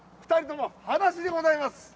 ２人とも、はだしでございます。